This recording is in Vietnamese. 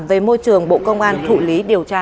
về môi trường bộ công an thụ lý điều tra